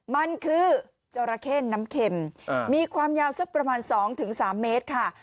มันคือจรเข้นน้ำเข็มอ่ามีความยาวสักประมาณสองถึงสามเมตรค่ะ